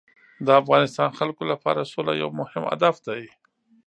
د افغانستان خلکو لپاره سوله یو مهم هدف دی.